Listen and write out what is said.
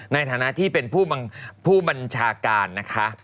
ในฐานะที่เป็นผู้บัญชาการนะคะ